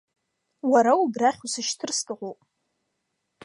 Уара убрахь усышьҭыр сҭахуп.